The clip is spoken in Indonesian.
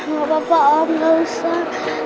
gak apa apa om gak usah